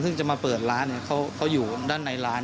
ซึ่งจะมาเปิดร้านเขาอยู่ด้านในร้าน